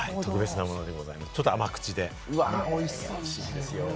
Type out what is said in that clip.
ちょっと甘口でおいしいですよ。